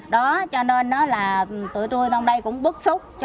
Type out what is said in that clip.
đó cho nên nó là tựa trôi trong đây cũng bức xúc